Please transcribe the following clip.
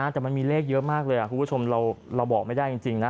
แต่มันมีเลขเยอะมากเลยคุณผู้ชมเราบอกไม่ได้จริงนะ